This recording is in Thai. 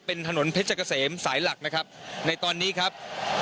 เป็นถนนเพชรเกษมสายหลักนะครับในตอนนี้ครับ